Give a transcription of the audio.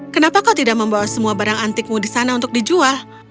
kenapa kau tidak membawa semua barang antikmu di sana untuk dijual